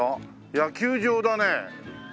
野球場だね。